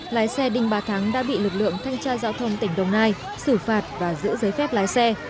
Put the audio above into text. lái xe đinh bà thắng đã bị lực lượng thanh tra giao thông tỉnh đồng nai xử phạt và giữ giấy phép lái xe